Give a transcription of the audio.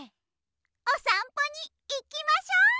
おさんぽにいきましょ！